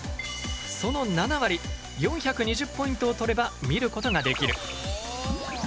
その７割４２０ポイントを取れば見ることができる。